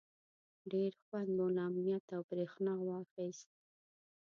ډېر خوند مو له امنیت او برېښنا واخیست.